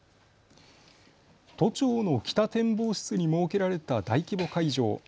都庁の北展望室に設けられた大規模会場。